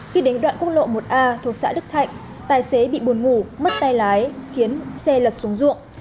khi đến đoạn quốc lộ một a thuộc xã đức thạnh tài xế bị bùn ngủ mất tay lái khiến xe lật xuống ruộng